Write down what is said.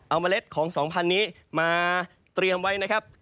เอาเมล็ดของ๒๐๐นี้มาเตรียมไว้นะครับ